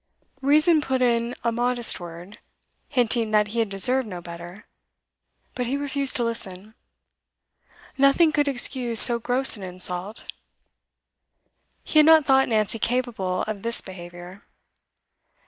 Reason put in a modest word, hinting that he had deserved no better; but he refused to listen. Nothing could excuse so gross an insult. He had not thought Nancy capable of this behaviour.